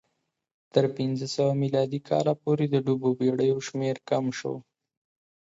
تر پنځه سوه میلادي کاله پورې د ډوبو بېړیو شمېر کم شو